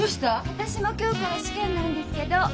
私も今日から試験なんですけど。